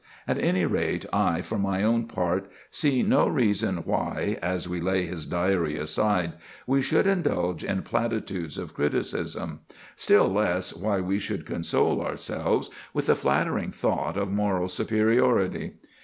At any rate, I, for my own part, see no reason why, as we lay his Diary aside, we should indulge in platitudes of criticism—still less, why we should console ourselves with the flattering thought of moral superiority.